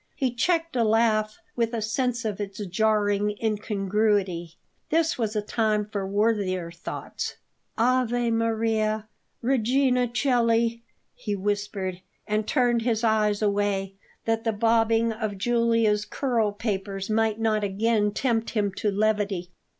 He checked a laugh with a sense of its jarring incongruity this was a time for worthier thoughts. "Ave Maria, Regina Coeli!" he whispered, and turned his eyes away, that the bobbing of Julia's curlpapers might not again tempt him to levity.